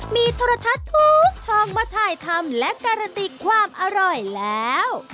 มีโทรทัศน์ทุกช่องมาถ่ายทำและการันตีความอร่อยแล้ว